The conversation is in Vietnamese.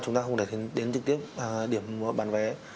chúng ta không để đến trực tiếp điểm bán vé